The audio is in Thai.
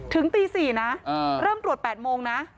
ถึงตี๔นะเริ่มตรวจ๘โมงนะ